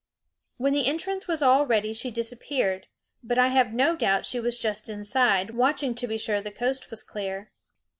When the entrance was all ready she disappeared, but I have no doubt she was just inside, watching to be sure the coast was clear.